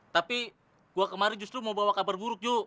tapi gua kemari justru mau bawa kabar buruk ju